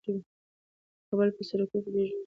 د کابل په سړکونو کې د ژوند جریان په ډېرې سختۍ روان و.